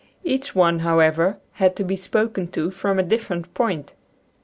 Each one, however, had to be spoken to from a dif ferent point.